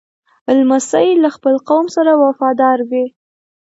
لمسی له خپل قوم سره وفادار وي.